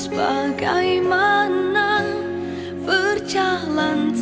kok tangannya dingin